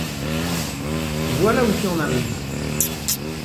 Voilà où tu en arrives !